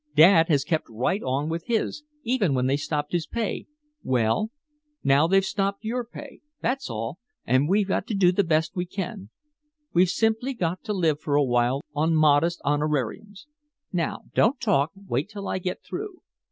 Dad has kept right on with his, even when they stopped his pay. Well, now they've stopped your pay, that's all, and we've got to do the best we can. We've simply got to live for a while on modest honorariums. Now don't talk, wait till I get through.